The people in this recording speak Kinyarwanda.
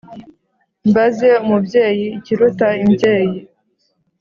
mbaze umubyeyi ikiruta imbyeyi